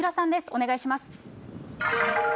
お願いします。